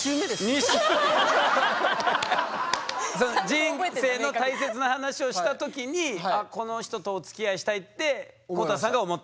人生の大切な話をした時にこの人とおつきあいしたいって公太さんが思ったんだ。